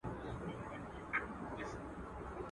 o د پيشي چي نفس تنگ سي، د زمري جنگ کوي.